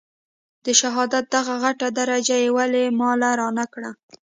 د شهادت دغه غټه درجه يې ولې ما له رانه کړه.